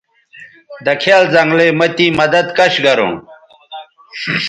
دکھیال زنگلئ مہ تیں مدد کش گروں